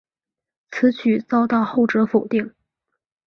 此举遭到后者否定。